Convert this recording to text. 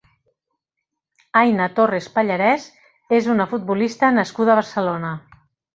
Aina Torres Pallarès és una futbolista nascuda a Barcelona.